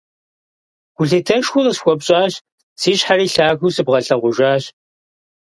Гулъытэшхуэ къысхуэпщӀащ, си щхьэри лъагэу сыбгъэлъэгъужащ.